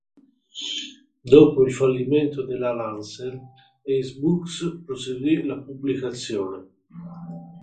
Dopo il fallimento della Lancer, Ace Books proseguì la pubblicazione.